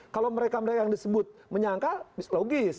kalau mereka yang disebut menyangkal logis